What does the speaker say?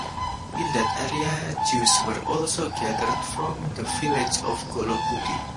In that area, Jews were also gathered from the village of Golobudy.